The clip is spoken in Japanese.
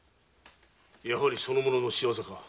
やはりその者の仕業か。